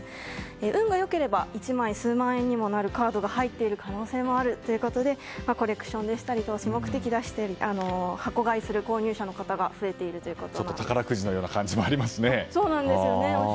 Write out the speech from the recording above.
運が良ければ１枚数万円にもなるカードが入っている可能性もあるということでコレクションや投資目的だったりで箱買いする購入者が宝くじのような感じもありますね。